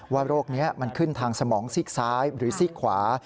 โรคนี้มันขึ้นทางสมองซีกซ้ายหรือซีกขวา